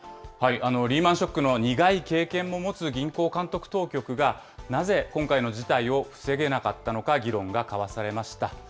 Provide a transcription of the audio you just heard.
リーマンショックの苦い経験も持つ銀行監督当局が、なぜ今回の事態を防げなかったのか、議論が交わされました。